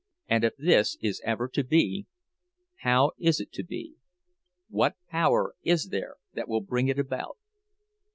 And if this is ever to be, how is it to be—what power is there that will bring it about?